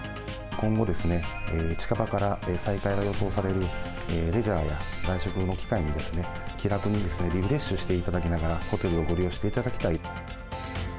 今後ですね、近場から再開が予想されるレジャーや外食の機会にですね、気楽にリフレッシュしていただきながら、ホテルをご利用していただきたい。